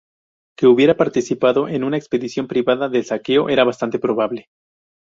Que hubiera participado en una expedición privada de saqueo era bastante probable.